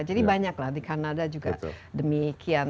jadi banyak lah di kanada juga demikian